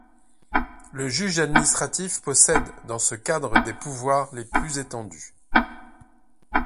Le juge administratif possède dans ce cadre des pouvoirs les plus étendus.